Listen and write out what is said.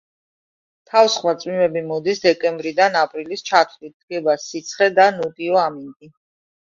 თავსხმა წვიმები მოდის დეკემბრიდან აპრილის ჩათვლით, დგება სიცხე და ნოტიო ამინდი.